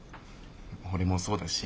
俺もそうだし。